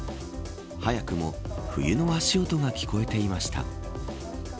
早くも冬の足音が聞こえていました。